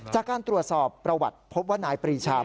จากการตรวจสอบประวัติพบว่านายปรีชา